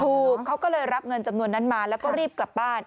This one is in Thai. ถูกเขาก็เลยรับเงินจำนวนนั้นมาแล้วก็รีบกลับบ้าน